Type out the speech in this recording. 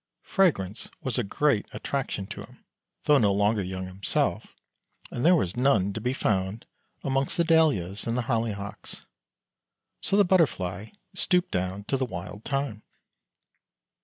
Fragrance was a great attraction to him, though no longer young himself, and there was none to be found among the Dahlias and Holly hocks. So the Butterfly stooped down to the Wild Thyme.